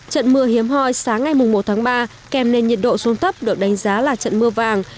trận mưa hiếm hoi sáng ngày một tháng ba kèm nền nhiệt độ xuống thấp được đánh giá là trận mưa vàng